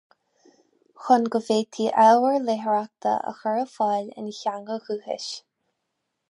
Chun go bhféadfaí ábhar léitheoireachta a chur ar fáil ina theanga dhúchais.